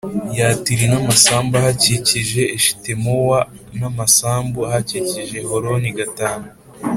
Yatiri t n amasambu ahakikije Eshitemowa u n amasambu ahakikije Holoni v